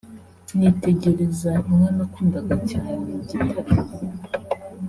nitegereza inka nakundaga cyane Gitare